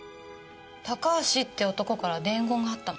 高橋って男から伝言があったの。